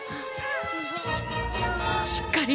しっかり！